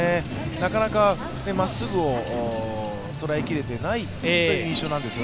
なかなかまっすぐを捉え切れてない印象です。